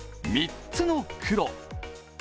３つの黒！